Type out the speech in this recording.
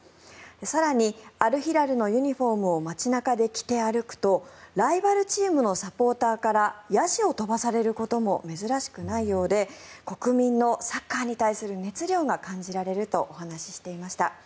更にアルヒラルのユニホームを街中で着て歩くとライバルチームのサポーターからやじを飛ばされることも珍しくないようで国民のサッカーに対する熱量が感じられるとお話ししていました。